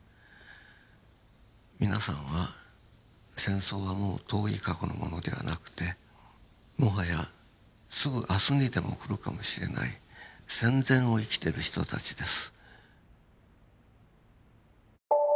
皆さんは戦争はもう遠い過去のものではなくてもはやすぐ明日にでも来るかもしれない戦前を生きてる人たちです。